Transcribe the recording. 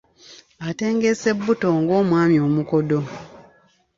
Atengeesa ebbuto ng’omwami omukodo.